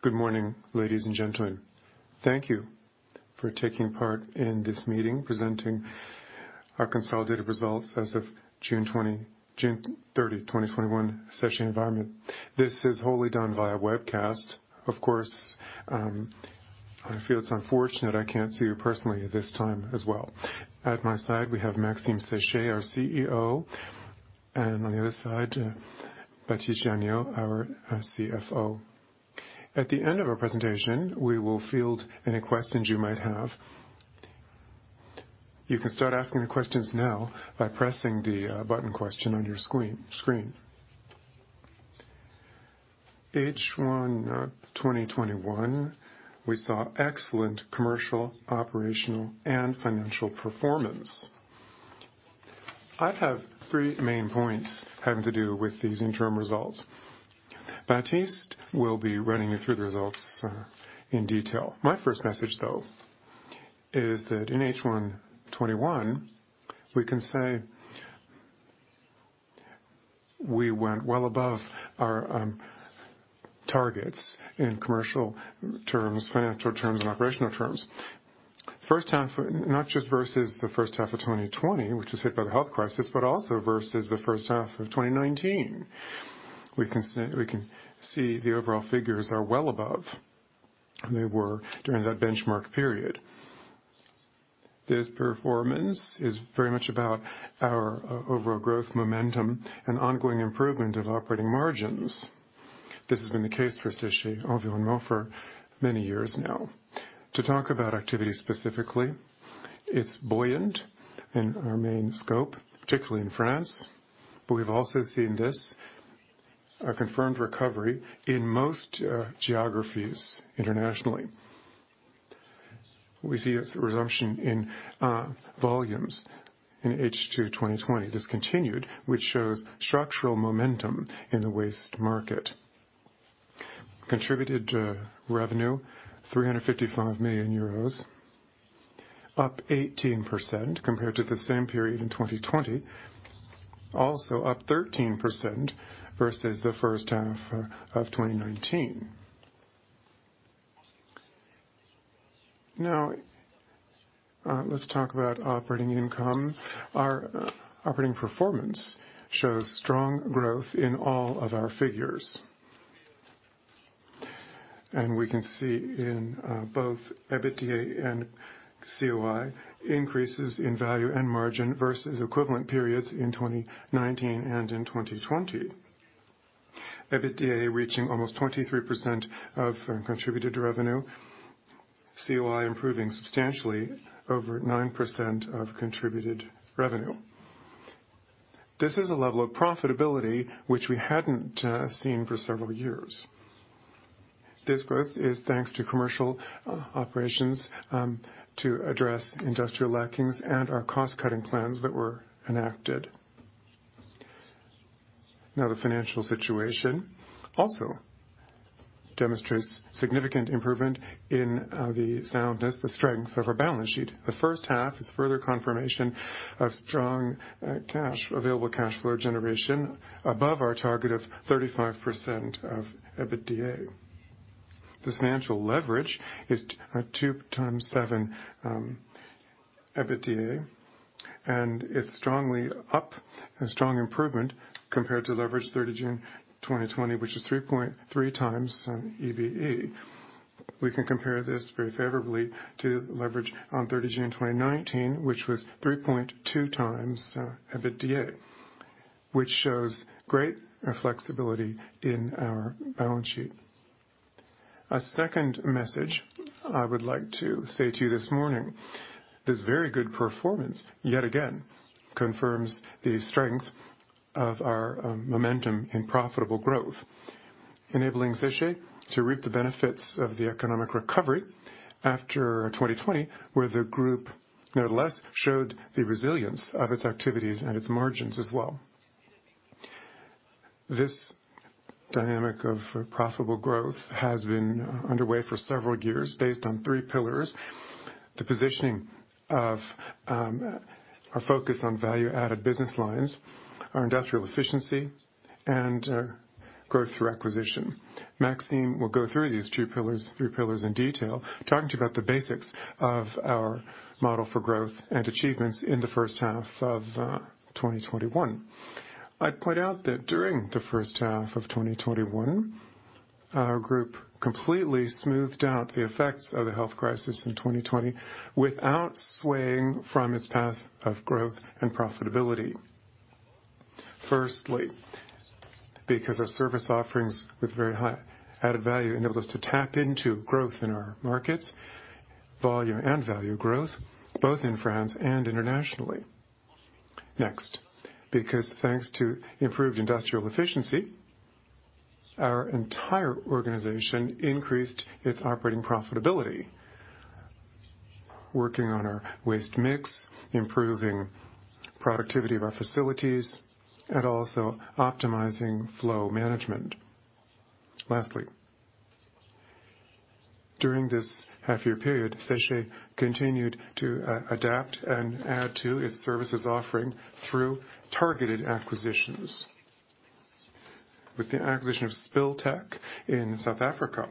Good morning, ladies and gentlemen. Thank you for taking part in this meeting, presenting our consolidated results as of June 30, 2021, Séché Environnement. This is wholly done via webcast. Of course, I feel it's unfortunate I can't see you personally this time as well. At my side, we have Maxime Séché, our CEO, and on the other side, Baptiste Janiaud, our CFO. At the end of our presentation, we will field any questions you might have. You can start asking the questions now by pressing the button question on your screen. H1 2021, we saw excellent commercial, operational, and financial performance. I have three main points having to do with these interim results. Baptiste will be running you through the results in detail. My first message, though, is that in H1 2021, we can say we went well above our targets in commercial terms, financial terms, and operational terms. Not just versus the H1 of 2020, which was hit by the health crisis, also versus the H1 of 2019. We can see the overall figures are well above they were during that benchmark period. This performance is very much about our overall growth momentum and ongoing improvement of operating margins. This has been the case for Séché Environnement for many years now. To talk about activity specifically, it's buoyant in our main scope, particularly in France, but we've also seen this, a confirmed recovery, in most geographies internationally. We see a resumption in volumes in H2 2020. This continued, which shows structural momentum in the waste market. Contributed revenue 355 million euros, up 18% compared to the same period in 2020. Also up 13% versus the H1 of 2019. Let's talk about operating income. Our operating performance shows strong growth in all of our figures. We can see in both EBITDA and COI, increases in value and margin versus equivalent periods in 2019 and in 2020. EBITDA reaching almost 23% of contributed revenue. COI improving substantially over 9% of contributed revenue. This is a level of profitability which we hadn't seen for several years. This growth is thanks to commercial operations to address industrial lackings and our cost-cutting plans that were enacted. The financial situation also demonstrates significant improvement in the soundness, the strength of our balance sheet. The H1 is further confirmation of strong available cash flow generation above our target of 35% of EBITDA. This financial leverage is 2.7x EBITDA, and it's strongly up and strong improvement compared to leverage 30 June 2020, which is 3.3x EBE. We can compare this very favorably to leverage on 30 June 2019, which was 3.2x EBITDA, which shows great flexibility in our balance sheet. A second message I would like to say to you this morning, this very good performance, yet again, confirms the strength of our momentum in profitable growth, enabling Séché to reap the benefits of the economic recovery after 2020, where the group, nevertheless, showed the resilience of its activities and its margins as well. This dynamic of profitable growth has been underway for several years based on three pillars, the positioning of our focus on value-added business lines, our industrial efficiency, and growth through acquisition. Maxime will go through these three pillars in detail, talking to you about the basics of our model for growth and achievements in the H1 of 2021. I'd point out that during the H1 of 2021, our group completely smoothed out the effects of the health crisis in 2020 without swaying from its path of growth and profitability. Firstly, because our service offerings with very high added value enabled us to tap into growth in our markets, volume and value growth, both in France and internationally. Next, because thanks to improved industrial efficiency, our entire organization increased its operating profitability, working on our waste mix, improving productivity of our facilities, and also optimizing flow management. Lastly, during this half-year period, Séché continued to adapt and add to its services offering through targeted acquisitions. With the acquisition of SpillTech in South Africa,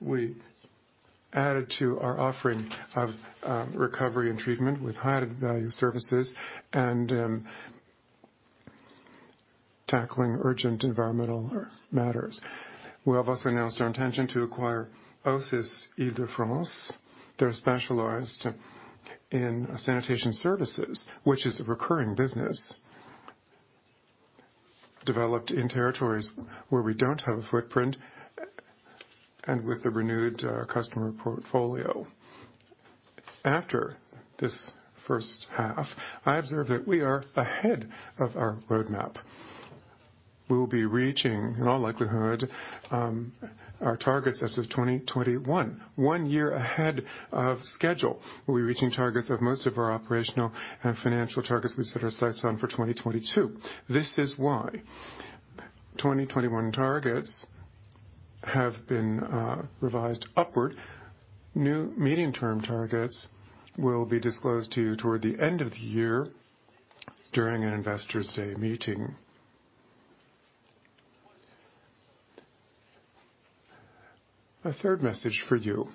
we added to our offering of recovery and treatment with high added value services and tackling urgent environmental matters. We have also announced our intention to acquire OSIS Île-de-France. They're specialized in sanitation services, which is a recurring business developed in territories where we don't have a footprint and with a renewed customer portfolio. After this H1, I observe that we are ahead of our roadmap. We will be reaching, in all likelihood, our targets as of 2021, one year ahead of schedule. We'll be reaching targets of most of our operational and financial targets we set our sights on for 2022. This is why 2021 targets have been revised upward. New medium-term targets will be disclosed to you toward the end of the year during an investors day meeting. A third message for you.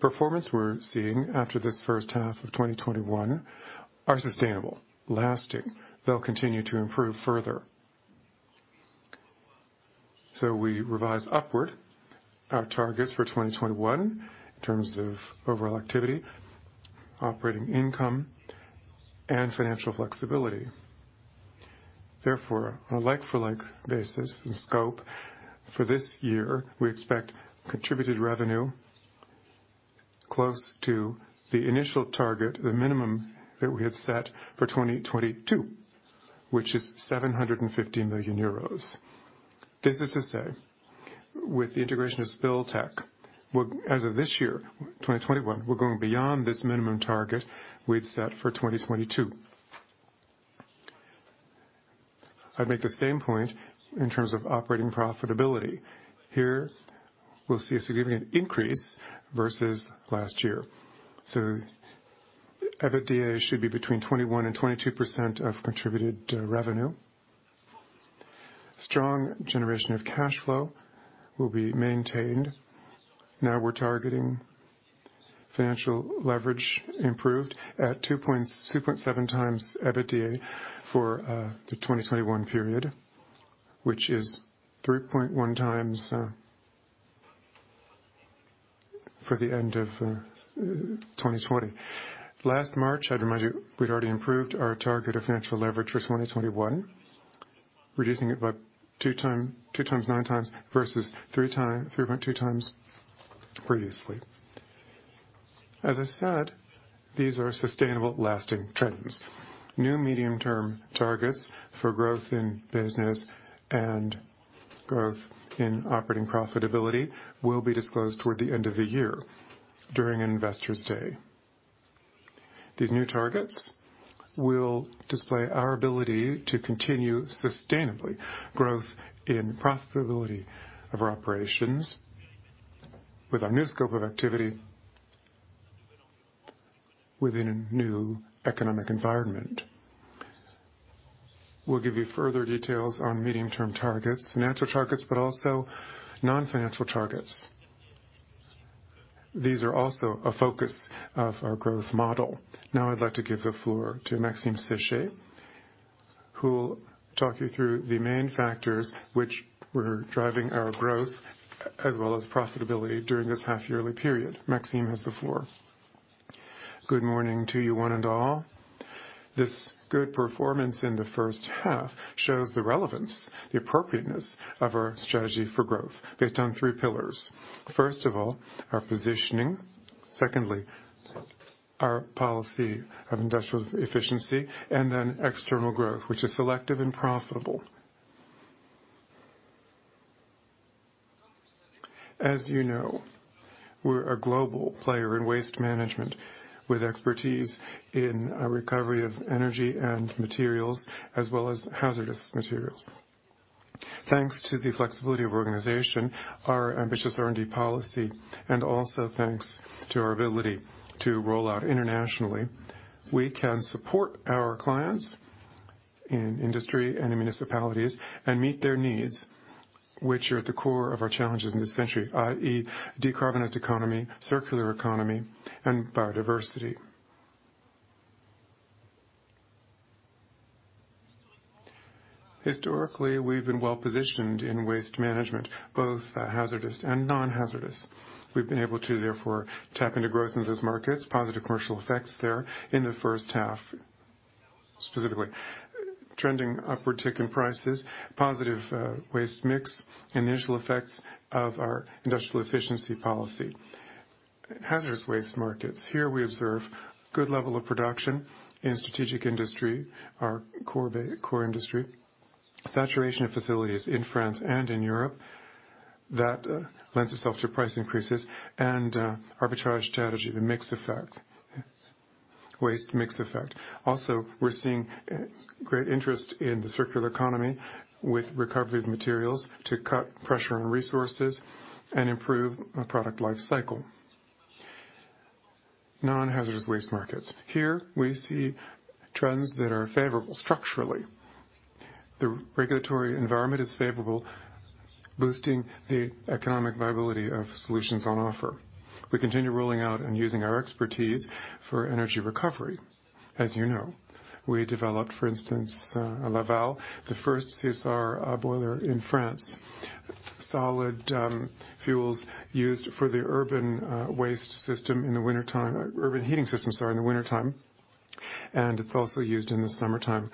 Performance we're seeing after this H1 of 2021 are sustainable, lasting. They'll continue to improve further. We revise upward our targets for 2021 in terms of overall activity, operating income, and financial flexibility. Therefore, on a like-for-like basis and scope for this year, we expect contributed revenue close to the initial target, the minimum that we had set for 2022, which is 750 million euros. This is to say, with the integration of SpillTech, as of this year, 2021, we're going beyond this minimum target we'd set for 2022. I'd make the same point in terms of operating profitability. Here, we'll see a significant increase versus last year. EBITDA should be between 21%-22% of contributed revenue. Strong generation of cash flow will be maintained. Now we're targeting financial leverage improved at 2.7x EBITDA for the 2021 period, which is 3.1x for the end of 2020. Last March, I'd remind you, we'd already improved our target of financial leverage for 2021, reducing it by 2x, 9x versus 3.2x previously. As I said, these are sustainable, lasting trends. New medium-term targets for growth in business and growth in operating profitability will be disclosed toward the end of the year during investors day. These new targets will display our ability to continue sustainably growth in profitability of our operations with our new scope of activity within a new economic environment. We'll give you further details on medium-term targets, financial targets, but also non-financial targets. These are also a focus of our growth model. Now I'd like to give the floor to Maxime Séché, who will talk you through the main factors which were driving our growth as well as profitability during this half-yearly period. Maxime has the floor. Good morning to you one and all. This good performance in the H1 shows the relevance, the appropriateness of our strategy for growth based on three pillars. First of all, our positioning. Our policy of industrial efficiency, and then external growth, which is selective and profitable. As you know, we're a global player in waste management with expertise in recovery of energy and materials, as well as hazardous materials. Thanks to the flexibility of organization, our ambitious R&D policy, and also thanks to our ability to roll out internationally, we can support our clients in industry and in municipalities and meet their needs, which are at the core of our challenges in this century, i.e., decarbonized economy, circular economy, and biodiversity. Historically, we've been well-positioned in waste management, both hazardous and non-hazardous. We've been able to, therefore, tap into growth in those markets, positive commercial effects there in the H1, specifically trending upward tick in prices, positive waste mix, initial effects of our industrial efficiency policy. Hazardous waste markets. Here we observe good level of production in strategic industry, our core industry, saturation of facilities in France and in Europe that lends itself to price increases and arbitrage strategy. Waste mix effect. We are seeing great interest in the circular economy with recovered materials to cut pressure on resources and improve product life cycle. Non-hazardous waste markets. Here, we see trends that are favorable structurally. The regulatory environment is favorable, boosting the economic viability of solutions on offer. We continue rolling out and using our expertise for energy recovery. As you know, we developed, for instance, at Laval, the first CSR boiler in France. Solid fuels used for the urban heating system in the wintertime, and it's also used in the summertime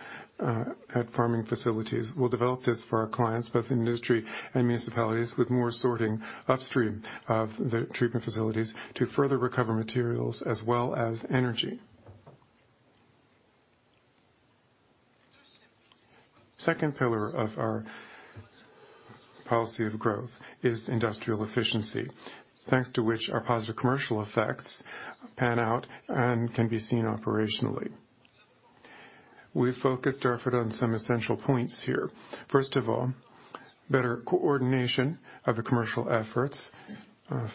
at farming facilities. We'll develop this for our clients, both industry and municipalities, with more sorting upstream of the treatment facilities to further recover materials as well as energy. Second pillar of our policy of growth is industrial efficiency, thanks to which our positive commercial effects pan out and can be seen operationally. We focused our effort on some essential points here. First of all, better coordination of the commercial efforts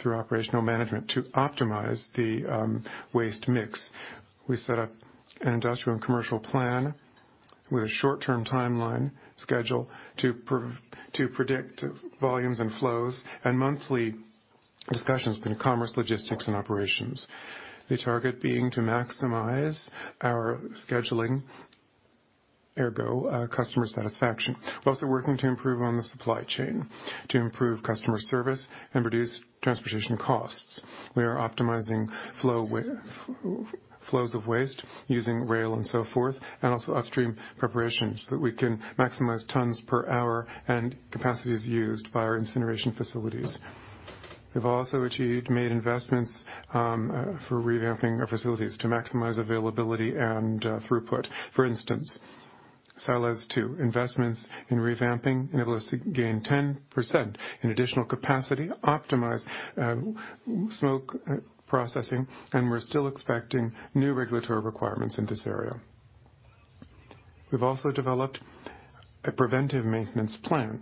through operational management to optimize the waste mix. We set up an industrial and commercial plan with a short-term timeline schedule to predict volumes and flows, and monthly discussions between commerce, logistics, and operations. The target being to maximize our scheduling, ergo, customer satisfaction, while we're working to improve on the supply chain to improve customer service and reduce transportation costs. We are optimizing flows of waste using rail and so forth, and also upstream preparations that we can maximize tons per hour and capacities used by our incineration facilities. We've also made investments for revamping our facilities to maximize availability and throughput. For instance, silos to, investments in revamping enable us to gain 10% in additional capacity, optimize smoke processing, and we're still expecting new regulatory requirements in this area. We've also developed a preventive maintenance plan,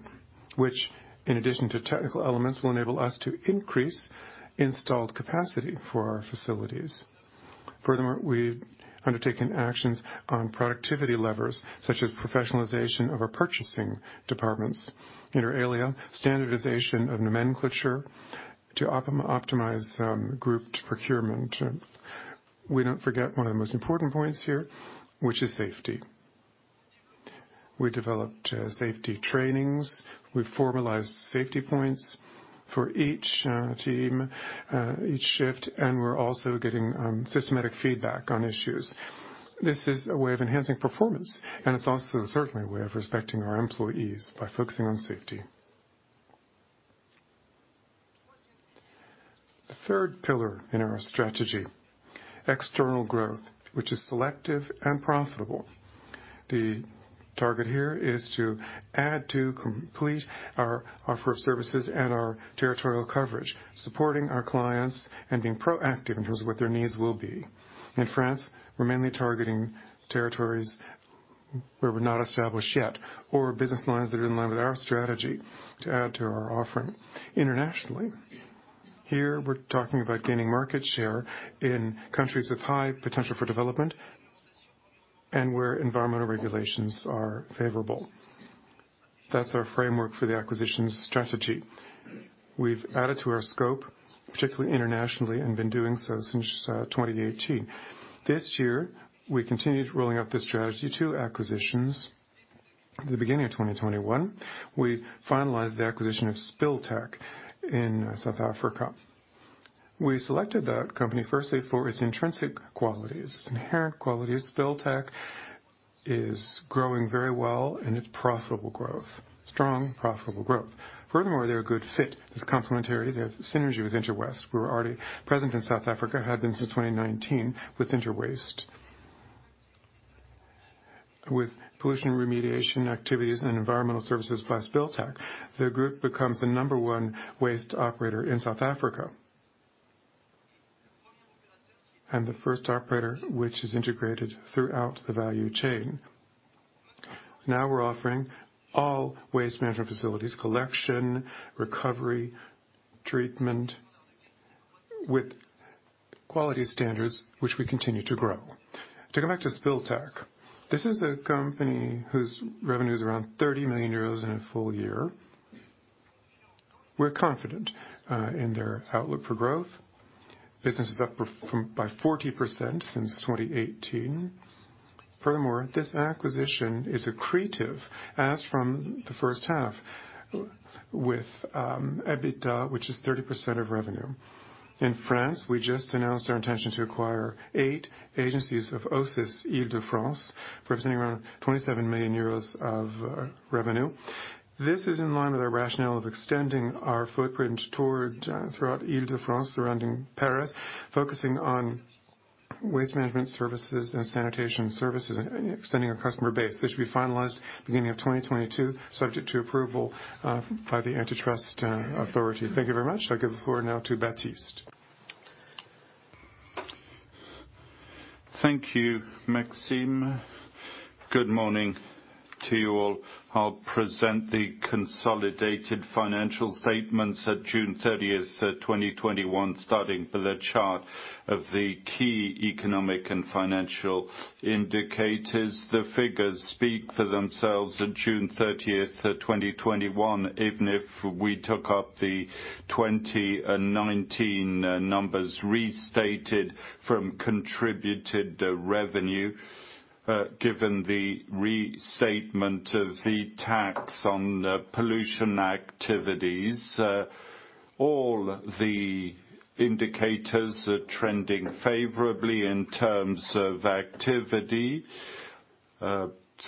which in addition to technical elements, will enable us to increase installed capacity for our facilities. Furthermore, we've undertaken actions on productivity levers such as professionalization of our purchasing departments. Inter alia, standardization of nomenclature to optimize grouped procurement. We don't forget one of the most important points here, which is safety. We developed safety trainings. We've formalized safety points for each team, each shift, and we're also getting systematic feedback on issues. This is a way of enhancing performance, and it's also certainly a way of respecting our employees by focusing on safety. The 1/3 pillar in our strategy, external growth, which is selective and profitable. The target here is to add to complete our offer of services and our territorial coverage, supporting our clients and being proactive in terms of what their needs will be. In France, we're mainly targeting territories where we're not established yet, or business lines that are in line with our strategy to add to our offering. Internationally, here we're talking about gaining market share in countries with high potential for development and where environmental regulations are favorable. That's our framework for the acquisitions strategy. We've added to our scope, particularly internationally, and been doing so since 2018. This year, we continued rolling out this strategy, two acquisitions. At the beginning of 2021, we finalized the acquisition of SpillTech in South Africa. We selected that company, firstly, for its intrinsic qualities, its inherent qualities. SpillTech is growing very well, and it's profitable growth. Strong, profitable growth. Furthermore, they're a good fit. There's complementarity. There's synergy with Interwaste, who are already present in South Africa, had been since 2019 with Interwaste. With pollution remediation activities and environmental services by SpillTech, the group becomes the number 1 waste operator in South Africa. And the first operator which is integrated throughout the value chain. Now we're offering all waste management facilities collection, recovery, treatment, with quality standards which we continue to grow. To come back to SpillTech, this is a company whose revenue is around 30 million euros in a full year. We're confident in their outlook for growth. Business is up by 40% since 2018. This acquisition is accretive as from the H1 with EBITDA, which is 30% of revenue. In France, we just announced our intention to acquire eight agencies of OSIS Île-de-France, representing around 27 million euros of revenue. This is in line with our rationale of extending our footprint throughout Ile-de-France surrounding Paris, focusing on waste management services and sanitation services, and extending our customer base. This should be finalized beginning of 2022, subject to approval by the antitrust authority. Thank you very much. I give the floor now to Baptiste Thank you, Maxime. Good morning to you all. I'll present the consolidated financial statements at June 30, 2021, starting with a chart of the key economic and financial indicators. The figures speak for themselves at June 30, 2021, even if we took up the 2019 numbers restated from contributed revenue, given the restatement of the Tax on Polluting Activities. All the indicators are trending favorably in terms of activity.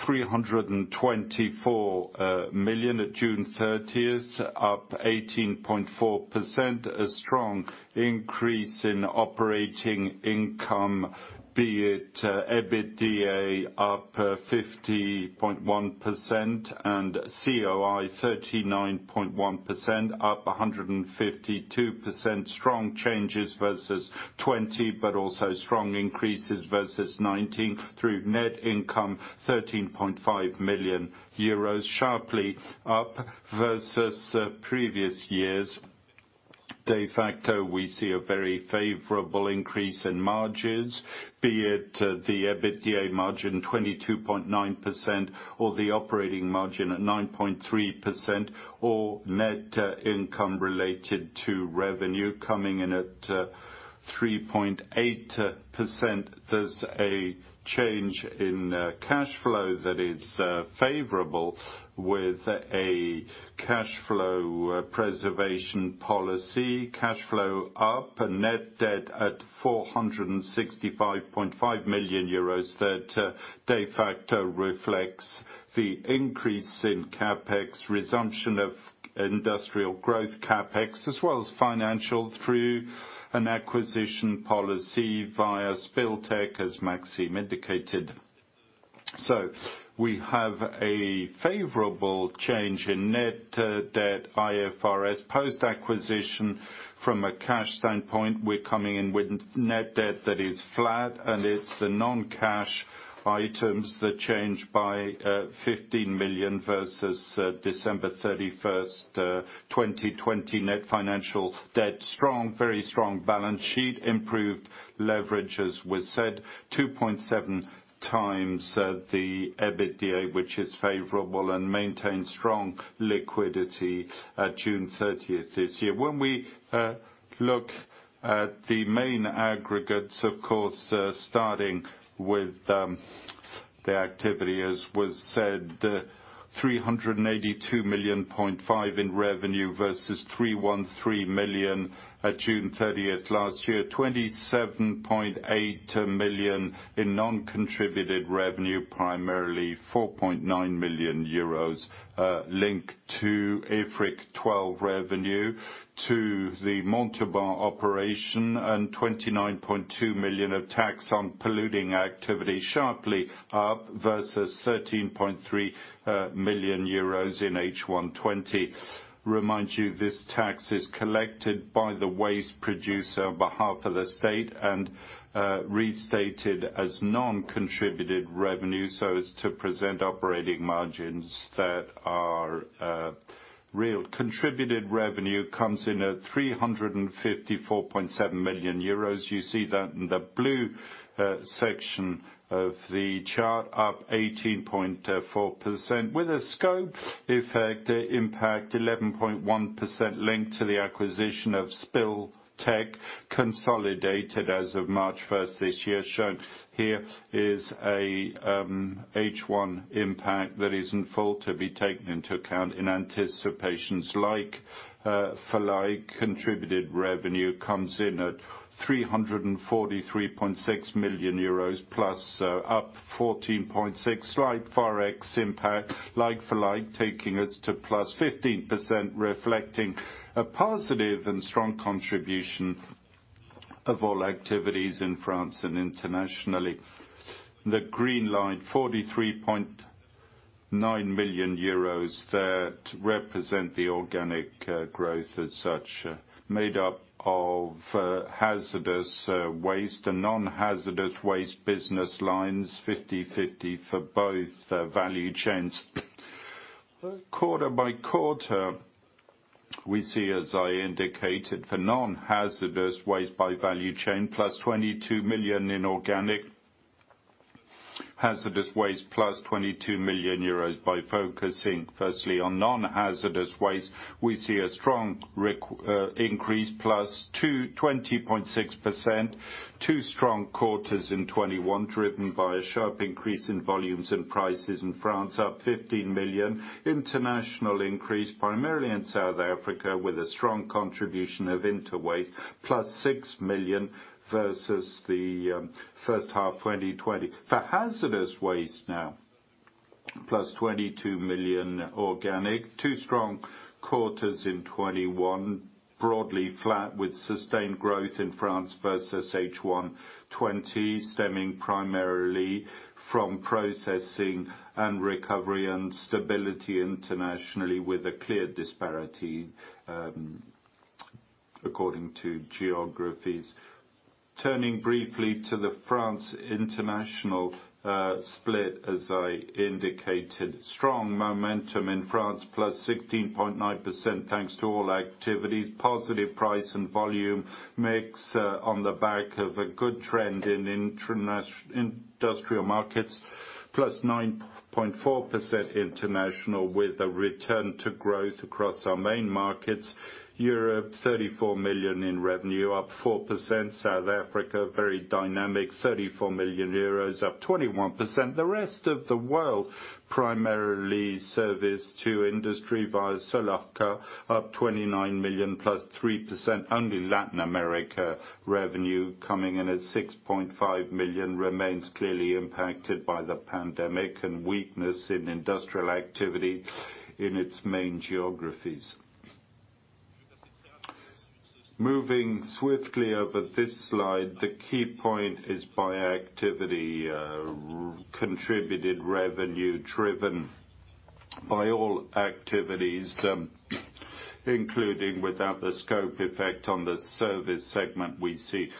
324 million at June 30, up 18.4%, a strong increase in operating income, be it EBITDA up 50.1%. COI 39.1% up 152%. Strong changes versus 2020, but also strong increases versus 2019 through net income 13.5 million euros, sharply up versus previous years. De facto, we see a very favorable increase in margins, be it the EBITDA margin 22.9% or the operating margin at 9.3% or net income related to revenue coming in at 3.8%. There's a change in cash flow that is favorable with a cash flow preservation policy. Cash flow up, net debt at 465.5 million euros. That de facto reflects the increase in CapEx, resumption of industrial growth CapEx, as well as financial through an acquisition policy via SpillTech, as Maxime Séché indicated. We have a favorable change in net debt IFRS post-acquisition. From a cash standpoint, we're coming in with net debt that is flat, and it's the non-cash items that change by 15 million versus December 31st, 2020 net financial debt. Strong, very strong balance sheet, improved leverage, as was said 2.7x the EBITDA, which is favorable and maintains strong liquidity at June 30th this year. When we look at the main aggregates, of course, starting with the activity, as was said, 382.5 million in revenue versus 313 million at June 30th last year, 27.8 million in non-contributed revenue, primarily 4.9 million euros linked to IFRIC 12 revenue to the Montauban operation, and 29.2 million of Tax on Polluting Activity sharply up versus 13.3 million euros in H1 2020. Remind you, this tax is collected by the waste producer on behalf of the state and restated as non-contributed revenue, so as to present operating margins that are real. Contributed revenue comes in at 354.7 million euros. You see that in the blue section of the chart, up 18.4% with a scope effect impact 11.1% linked to the acquisition of SpillTech consolidated as of March 1st this year. Shown here is a H1 impact that is in full to be taken into account in anticipations. Like for like contributed revenue comes in at 343.6 million euros, +14.6%, slight Forex impact, like for like, taking us to +15%, reflecting a positive and strong contribution of all activities in France and internationally. The green line, 43.9 million euros that represent the organic growth as such, made up of hazardous waste and non-hazardous waste business lines 50/50 for both value chains. Quarter by quarter, we see, as I indicated, for non-hazardous waste by value chain, 22 million in organic hazardous waste, 22 million euros. By focusing firstly on non-hazardous waste, we see a strong increase +220.6%, two strong quarters in 2021, driven by a sharp increase in volumes and prices in France, up 15 million. International increase, primarily in South Africa, with a strong contribution of Interwaste, +EUR 6 million versus H1 2020. For hazardous waste now, +22 million organic, two strong quarters in 2021, broadly flat with sustained growth in France versus H1 2020, stemming primarily from processing and recovery and stability internationally with a clear disparity according to geographies. Turning briefly to the France international split, as I indicated, strong momentum in France, +16.9%, thanks to all activities, positive price and volume mix on the back of a good trend in industrial markets, +9.4% international with a return to growth across our main markets. Europe, 34 million in revenue, up 4%. South Africa, very dynamic, 34 million euros, up 21%. The rest of the world, primarily service to industry via Solarca, up 29 million +3%. Only Latin America revenue, coming in at 6.5 million, remains clearly impacted by the pandemic and weakness in industrial activity in its main geographies. Moving swiftly over this slide, the key point is by activity, contributed revenue driven by all activities, including without the scope effect on the service segment. We see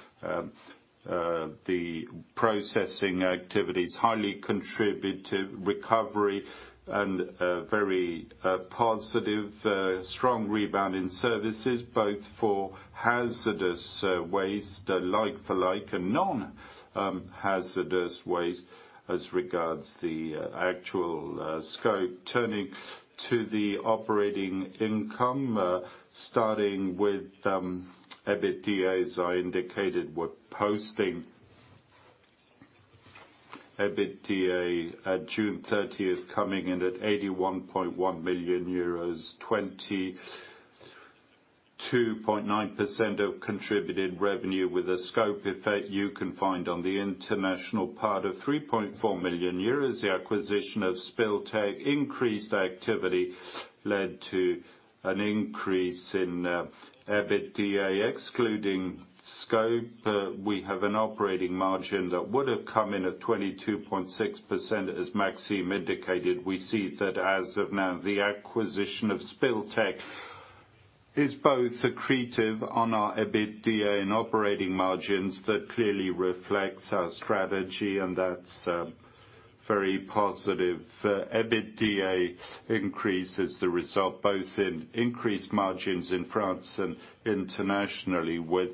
the processing activities highly contribute to recovery and a very positive strong rebound in services both for hazardous waste, like for like, and non-hazardous waste as regards the actual scope. Turning to the operating income, starting with EBITDA, as I indicated, we're posting EBITDA at June 30th, coming in at 81.1 million euros, 22.9% of contributed revenue with a scope effect you can find on the international part of 3.4 million euros. The acquisition of SpillTech increased activity led to an increase in EBITDA excluding scope. We have an operating margin that would have come in at 22.6%, as Maxime indicated. We see that as of now, the acquisition of SpillTech is both accretive on our EBITDA and operating margins. That clearly reflects our strategy, and that's very positive. EBITDA increases the result both in increased margins in France and internationally, with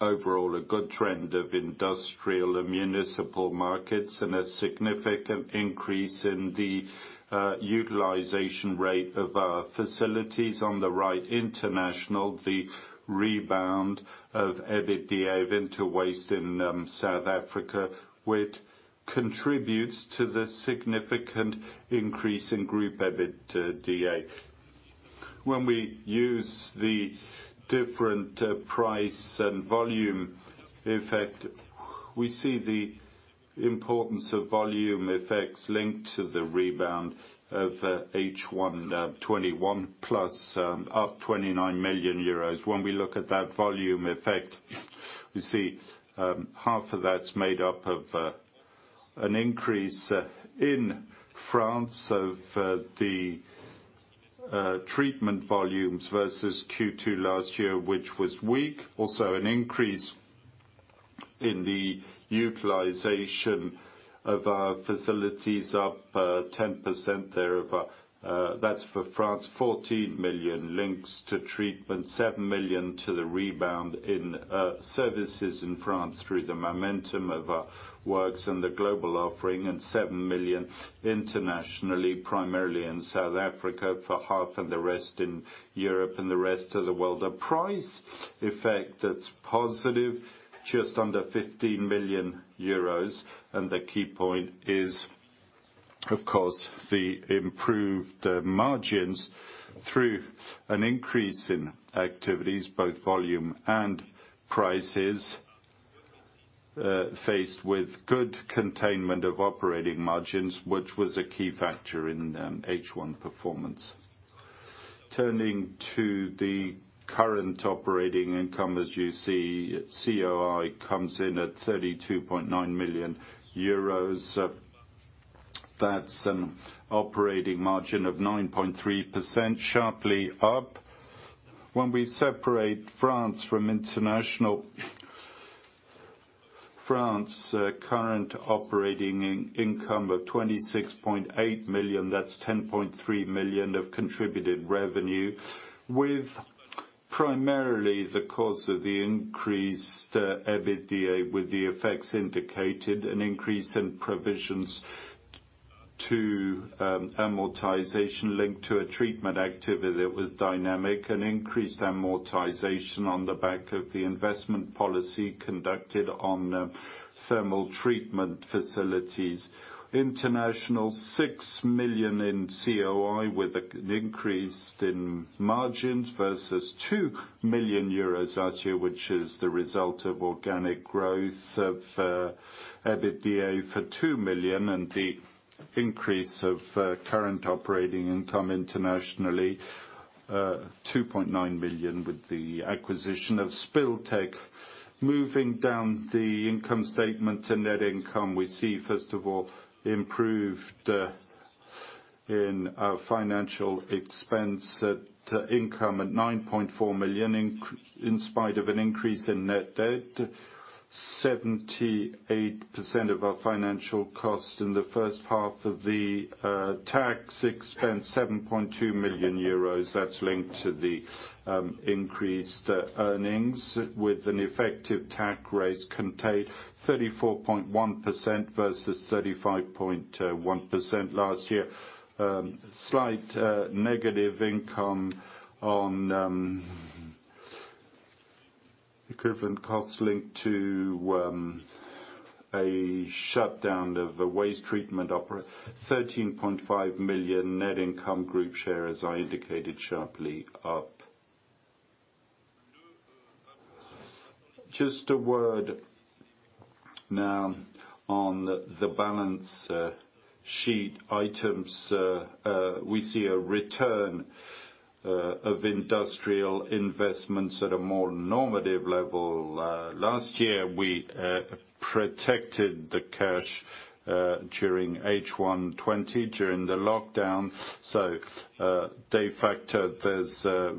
overall a good trend of industrial and municipal markets and a significant increase in the utilization rate of our facilities. On the right, international, the rebound of EBITDA into waste in South Africa, which contributes to the significant increase in group EBITDA. When we use the different price and volume effect, we see the importance of volume effects linked to the rebound of H1 2021, plus up 29 million euros. When we look at that volume effect, we see half of that's made up of an increase in France of the treatment volumes versus Q2 last year, which was weak. Also, an increase in the utilization of our facilities, up 10% there. That's for France, 14 million links to treatment, 7 million to the rebound in services in France through the momentum of our works and the global offering, and 7 million internationally, primarily in South Africa for half and the rest in Europe and the rest of the world. A price effect that's positive, just under 15 million euros. The key point is, of course, the improved margins through an increase in activities, both volume and prices, faced with good containment of operating margins, which was a key factor in H1 performance. Turning to the current operating income, as you see, COI comes in at 32.9 million euros. That's an operating margin of 9.3%, sharply up. When we separate France from international, France current operating income of 26.8 million, that's 10.3 million of contributed revenue, with primarily the cost of the increased EBITDA with the effects indicated, an increase in provisions to amortization linked to a treatment activity that was dynamic, an increased amortization on the back of the investment policy conducted on thermal treatment facilities. International, 6 million in COI with an increase in margins versus 2 million euros last year, which is the result of organic growth of EBITDA for 2 million and the increase of current operating income internationally, 2.9 million with the acquisition of SpillTech. Moving down the income statement to net income, we see, first of all, improved financial expense income at 9.4 million, in spite of an increase in net debt, 78% of our financial cost in the H1 of the tax expense, 7.2 million euros. That's linked to the increased earnings with an effective tax rate, 34.1% versus 35.1% last year. Slight negative income on equivalent costs linked to a shutdown of a waste treatment operation. 13.5 million net income group share, as I indicated, sharply up. A word now on the balance sheet items. We see a return of industrial investments at a more normative level. Last year, we protected the cash during H1 2020, during the lockdown. De facto, there's a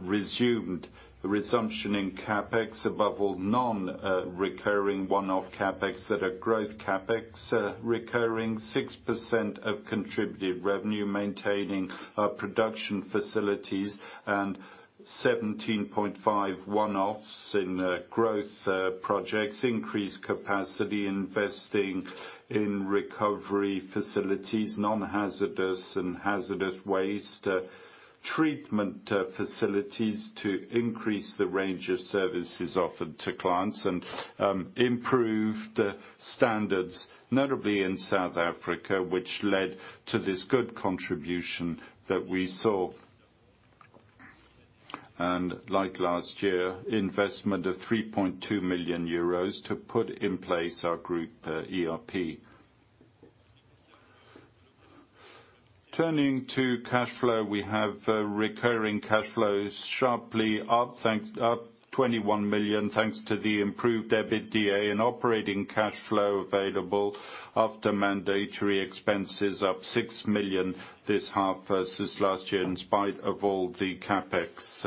resumption in CapEx, above all non-recurring one-off CapEx that are growth CapEx, recurring 6% of contributed revenue, maintaining our production facilities, and 17.5 one-offs in growth projects, increased capacity, investing in recovery facilities, non-hazardous and hazardous waste treatment facilities to increase the range of services offered to clients. Improved standards, notably in South Africa, which led to this good contribution that we saw. Like last year, investment of 3.2 million euros to put in place our group ERP. Turning to cash flow, we have recurring cash flows sharply up 21 million, thanks to the improved EBITDA and operating cash flow available after mandatory expenses up 6 million this half versus last year, in spite of all the CapEx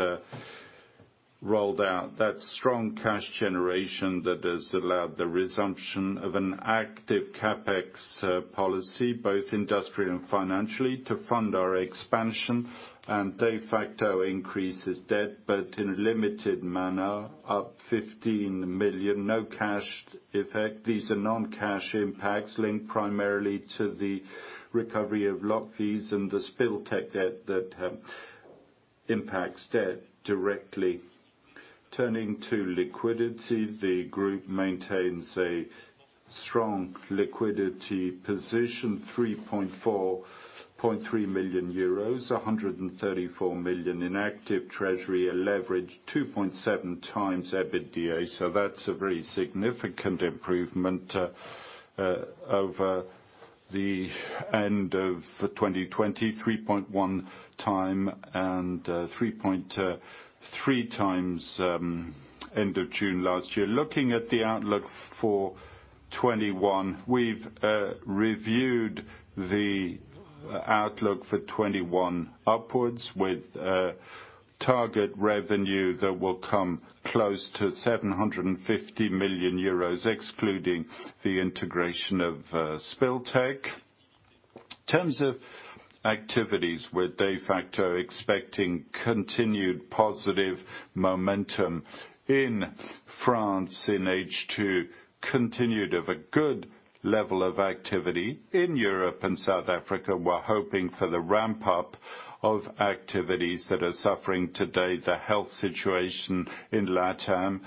rolled out. That is strong cash generation that has allowed the resumption of an active CapEx policy, both industrial and financially, to fund our expansion and de facto increases debt, but in a limited manner, up 15 million, no cash effect. These are non-cash impacts linked primarily to the recovery of IFRS 16 and the SpillTech debt that impacts debt directly. Turning to liquidity, the group maintains a strong liquidity position, 343 million euros, 134 million in active treasury, a leverage 2.7x EBITDA. That is a very significant improvement over the end of 2020, 3.1x and 3.3x end of June 2020. Looking at the outlook for 2021, we have reviewed the outlook for 2021 upwards with a target revenue that will come close to 750 million euros, excluding the integration of SpillTech. In terms of activities, with de facto expecting continued positive momentum in France in H2 2021, continued of a good level of activity in Europe and South Africa. We're hoping for the ramp-up of activities that are suffering today, the health situation in LatAm,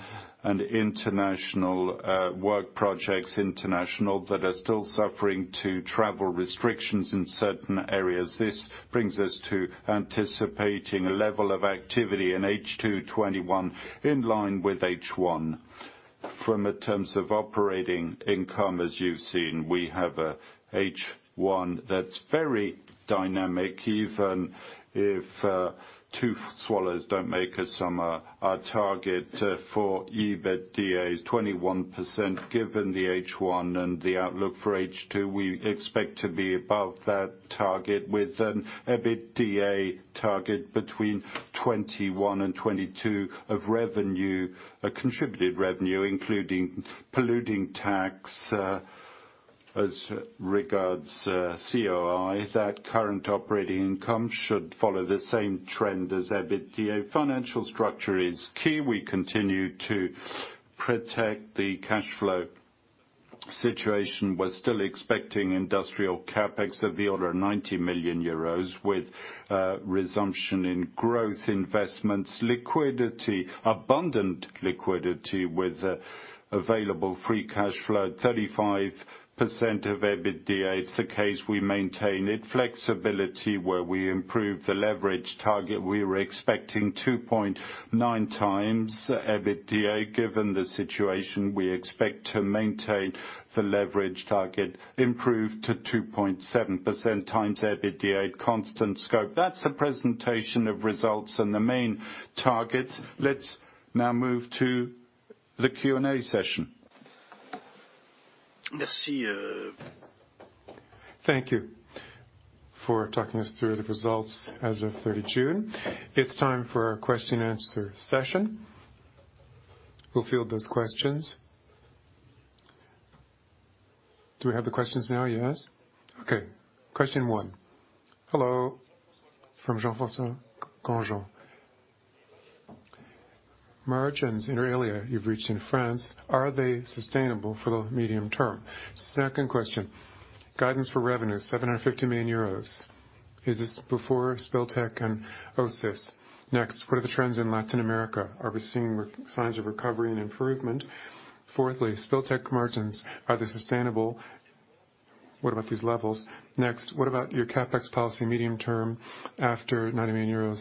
and international work projects that are still suffering to travel restrictions in certain areas. This brings us to anticipating a level of activity in H2 2021 in line with H1 2021. From the terms of operating income, as you've seen, we have a H1 2021 that's very dynamic, even if two swallows don't make a summer. Our target for EBITDA is 21%. Given the H1 2021 and the outlook for H2 2021, we expect to be above that target with an EBITDA target between 21% and 22% of revenue, contributed revenue, including polluting tax as regards COI. That current operating income should follow the same trend as EBITDA. Financial structure is key. We continue to protect the cash flow situation. We're still expecting industrial CapEx of the order of 90 million euros with resumption in growth investments, liquidity, abundant liquidity with available free cash flow at 35% of EBITDA. It's the case we maintain it. Flexibility, where we improve the leverage target. We were expecting 2.9x EBITDA. Given the situation, we expect to maintain the leverage target improved to 2.7x EBITDA constant scope. That's the presentation of results and the main targets. Let's now move to the Q&A session. Merci. Thank you for talking us through the results as of 30 June. It's time for our question and answer session. We'll field those questions. Do we have the questions now? Yes. Okay. Question one. Hello, from Jean-François Ciron. Margins, inter alia, you've reached in France, are they sustainable for the medium term? Second question, guidance for revenue, 750 million euros. Is this before SpillTech and OSIS? Next, what are the trends in Latin America? Are we seeing signs of recovery and improvement? Fourthly, SpillTech margins, are they sustainable? What about these levels? Next, what about your CapEx policy medium term after 90 million euros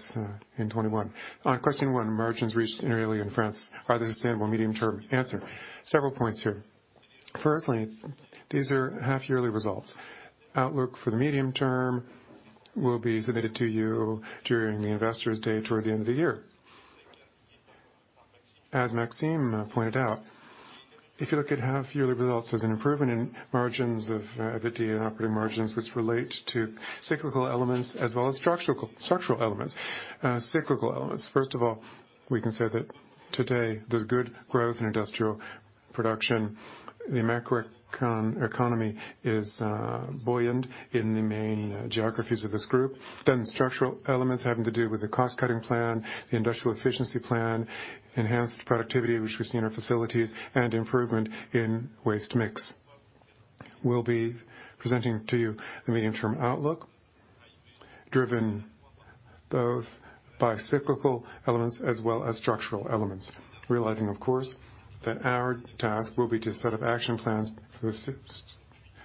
in 2021? On question one, margins reached inter alia in France, are they sustainable medium term? Answer, several points here. Firstly, these are half-yearly results. Outlook for the medium term will be submitted to you during the investors day toward the end of the year. As Maxime pointed out, if you look at half yearly results, there's an improvement in margins of EBITDA and operating margins, which relate to cyclical elements as well as structural elements. Cyclical elements. First of all, we can say that today there's good growth in industrial production. The macroeconomy is buoyant in the main geographies of this group. Structural elements having to do with the cost-cutting plan, the industrial efficiency plan, enhanced productivity, which we see in our facilities, and improvement in waste mix. We'll be presenting to you the medium term outlook, driven both by cyclical elements as well as structural elements. Realizing, of course, that our task will be to set up action plans for the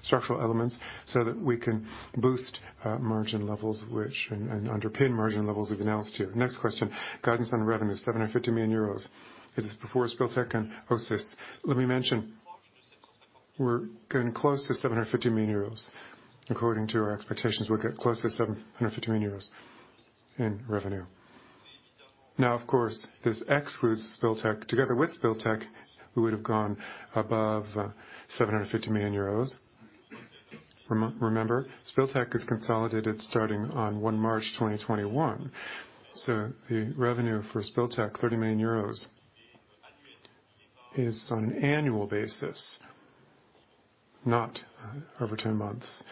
structural elements so that we can boost margin levels, and underpin margin levels we've announced to you. Next question, guidance on revenue, 750 million euros. Is this before SpillTech and OSIS? Let me mention, we're getting close to 750 million euros. According to our expectations, we'll get close to 750 million euros in revenue. Now, of course, this excludes SpillTech. Together with SpillTech, we would have gone above 750 million euros. Remember, SpillTech is consolidated starting on 1 March 2021. The revenue for SpillTech, 30 million euros, is on an annual basis, not over 10 months.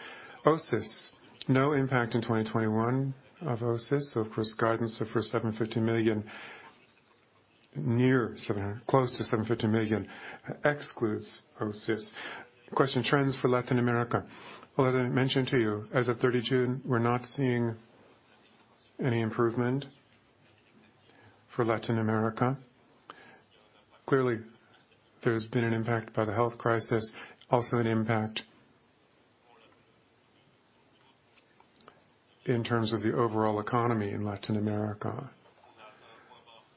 OSIS. No impact in 2021 of OSIS, so of course, guidance for close to 750 million excludes OSIS. Question, trends for Latin America. Well, as I mentioned to you, as of 30 June, we're not seeing any improvement for Latin America. There's been an impact by the health crisis, also an impact in terms of the overall economy in Latin America.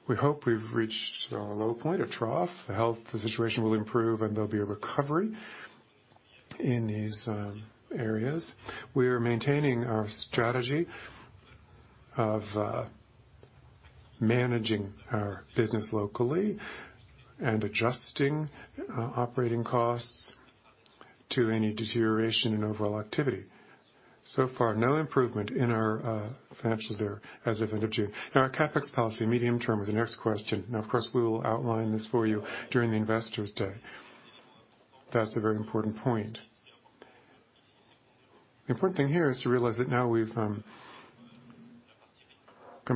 We hope we've reached a low point, a trough. The health situation will improve, and there'll be a recovery in these areas. We are maintaining our strategy of managing our business locally and adjusting operating costs to any deterioration in overall activity. No improvement in our financials there as of end of June. Our CapEx policy medium term is the next question. Of course, we will outline this for you during the investors day. That's a very important point. The important thing here is to realize that now we've come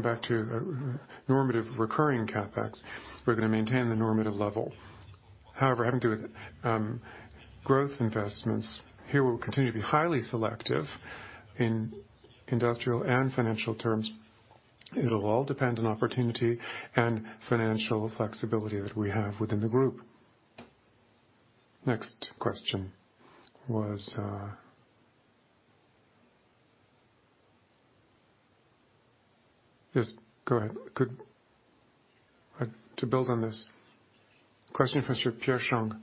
back to normative recurring CapEx. We're going to maintain the normative level. Having to do with growth investments, here we will continue to be highly selective in industrial and financial terms. It'll all depend on opportunity and financial flexibility that we have within the group. Yes, go ahead. To build on this. Question from Pierre-Jean Chavanne.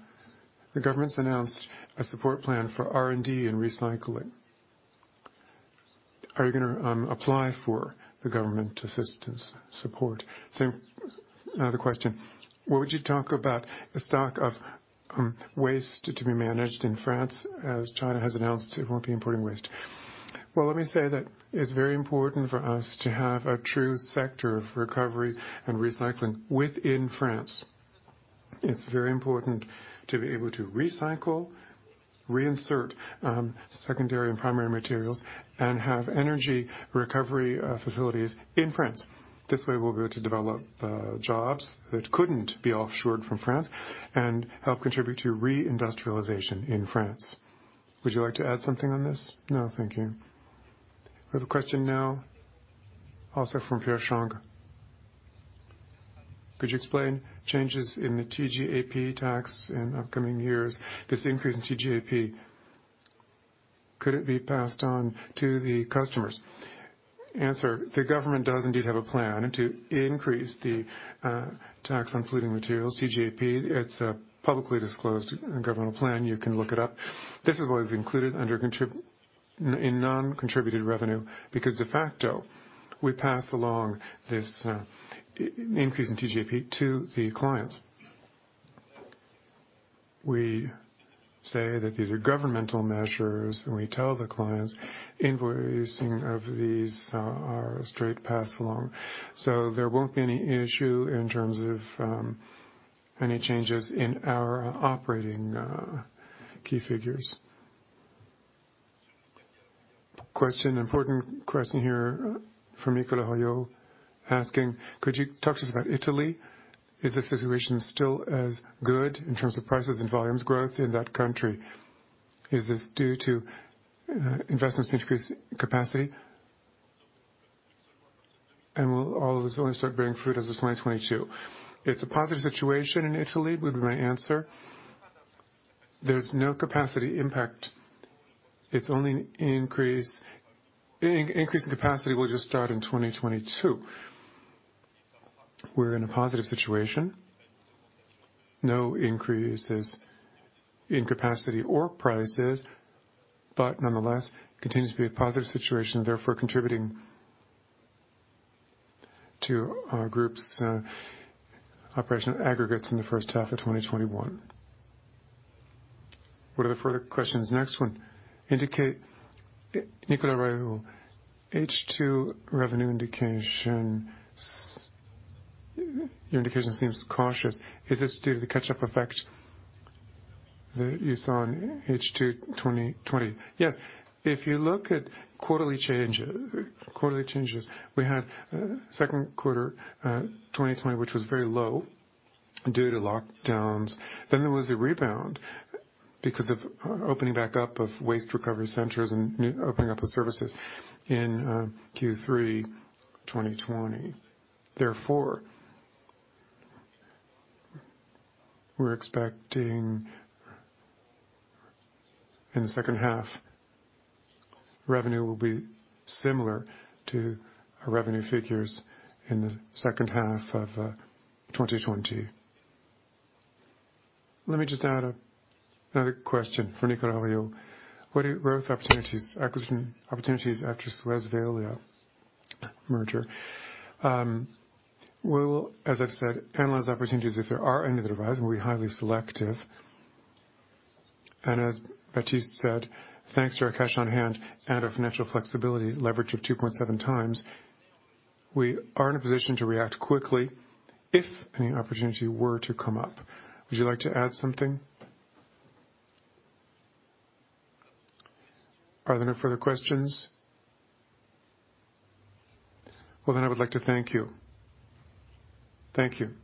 The government's announced a support plan for R&D and recycling. Are you going to apply for the government assistance support? What would you talk about the stock of waste to be managed in France, as China has announced it won't be importing waste? Well, let me say that it's very important for us to have a true sector of recovery and recycling within France. It's very important to be able to recycle, reinsert secondary and primary materials, and have energy recovery facilities in France. This way, we'll be able to develop jobs that couldn't be offshored from France and help contribute to reindustrialization in France. Would you like to add something on this? No, thank you. We have a question now also from Pierre-Jean Chavanne. Could you explain changes in the TGAP tax in upcoming years? This increase in TGAP, could it be passed on to the customers? The government does indeed have a plan to increase the tax on polluting materials, TGAP. It's a publicly disclosed governmental plan. You can look it up. This is what we've included under non-contributed revenue, because de facto, we pass along this increase in TGAP to the clients. We say that these are governmental measures, and we tell the clients, invoicing of these are a straight pass along. There won't be any issue in terms of any changes in our operating key figures. Question, important question here from Nicolas Royot asking, "Could you talk to us about Italy? Is the situation still as good in terms of prices and volumes growth in that country? Is this due to investments in increased capacity? Will all of this only start bearing fruit as of 2022?" It's a positive situation in Italy, would be my answer. There's no capacity impact. Its only increase in capacity will just start in 2022. We're in a positive situation. No increases in capacity or prices, but nonetheless, continues to be a positive situation, therefore contributing to our group's operation aggregates in the H1 of 2021. What are the further questions? Next one. Nicolas Royot, H2 revenue indication. Your indication seems cautious. Is this due to the catch-up effect that you saw in H2 2020? Yes. If you look at quarterly changes, we had Q2 2020, which was very low due to lockdowns. There was a rebound because of opening back up of waste recovery centers and opening up of services in Q3 2020. We're expecting, in the H2, revenue will be similar to our revenue figures in the of 2020. Let me just add another question from Nicolas Royot. Growth opportunities, acquisition opportunities after SUEZ Veolia merger. We will, as I've said, analyze opportunities if there are any that arise, and we'll be highly selective. As Baptiste said, thanks to our cash on hand and our financial flexibility leverage of 2.7 times, we are in a position to react quickly, if any opportunity were to come up. Would you like to add something? Are there no further questions? Well, I would like to thank you. Thank you.